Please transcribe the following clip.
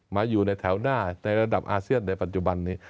มาอยู่ในแถวหน้าในระดับอาเซียนในปัจจุบันนี้